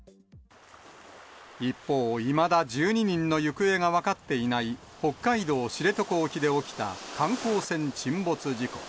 一方、いまだ１２人の行方が分かっていない、北海道知床沖で起きた観光船沈没事故。